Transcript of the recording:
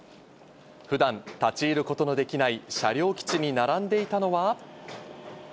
ふだん立ち入ることのできない車両基地に並んでいたのは。